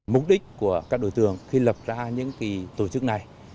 mục đích của các đối tượng khi lập ra những tổ chức này